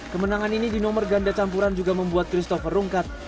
kemenangan ini di nomor ganda campuran juga membuat christopher rungkat